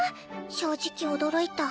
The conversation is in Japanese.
正直驚いた。